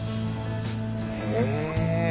・へぇ。